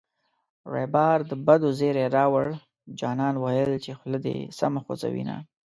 ریبار د بدو زېری راووړـــ جانان ویل چې خوله دې سمه خوزوینه